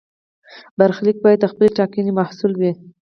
برخلیک باید د خپلې ټاکنې محصول وي.